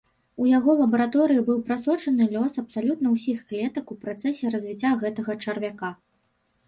У яго лабараторыі быў прасочаны лёс абсалютна ўсіх клетак у працэсе развіцця гэтага чарвяка.